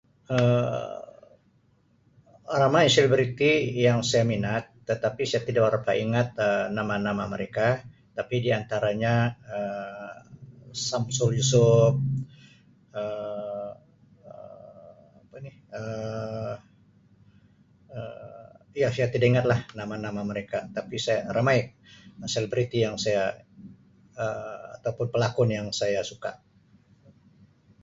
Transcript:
Um Ramai selebriti yang saya minat tetapi saya tidak berapa ingat nama-nama mereka tapi dia antaranya Um Syamsul Yusuf Um apa ni Um ya saya tidak ingatlah nama-nama mereka tapi saya ramai selebriti yang saya ataupun pelakon yang saya suka .